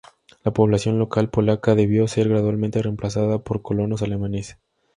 La población local polaca debía ser gradualmente remplazada por colonos alemanes.